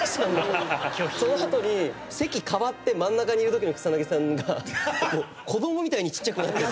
その後に席替わって真ん中にいるときの草薙さんが子供みたいにちっちゃくなってる。